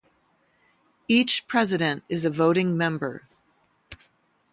Each president is a voting member.